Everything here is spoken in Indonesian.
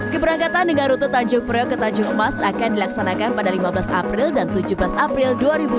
keberangkatan dengan rute tanjung priok ke tanjung emas akan dilaksanakan pada lima belas april dan tujuh belas april dua ribu dua puluh